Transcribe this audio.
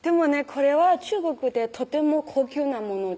これは中国でとても高級なものです